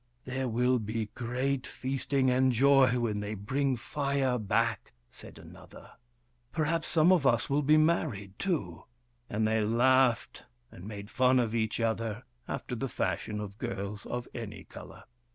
" There will be great feasting and joy when they WURIP, THE FIRE BRINGER 235 bring Fire back," said another. " Perhaps some of us will be married, too." And they laughed and made fun of each other, after the fashion of girls of any colour.